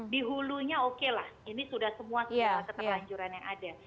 di hulunya okelah ini sudah semua keterlanjuran yang ada